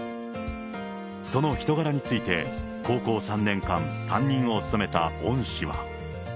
その人柄について、高校３年間、担任を務めた恩師は。